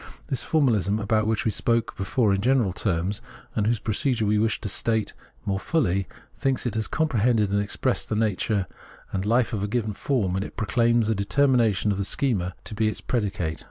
This formahsm — about which we spoke before in general terms, and whose procedure we wish here to state more fully — thinks it has comprehended and expressed the nature and life of a given form when it proclaims a determination of the schema to be its predicate.